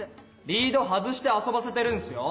リード外して遊ばせてるんすよ。